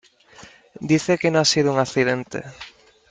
Dice que no ha sido un accidente .